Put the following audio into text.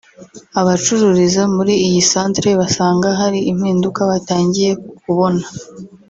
abacururiza muri iyi centre basanga hari impinduka batangiye kubona